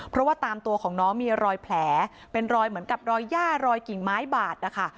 เพราะว่าตามตัวของน้องมีรอยแผลเป็นรอยเหมือนกับรอยย่ารอยกิ่งไม้บาดนะคะ